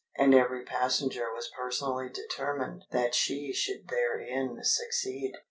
And every passenger was personally determined that she should therein succeed.